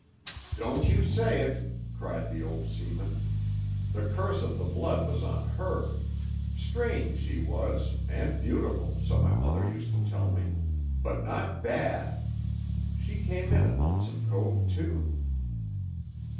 "Don't you say it!" cried the old seaman. "The curse of the blood was on her. Strange she was, and beautiful, so my mother used to tell me; but not bad. She came in at Lonesome Cove, too."